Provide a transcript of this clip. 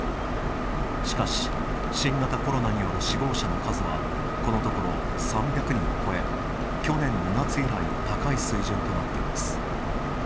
しかし、新型コロナによる死亡者の数はこのところ３００人を超え、去年２月以来の高い水準となっています。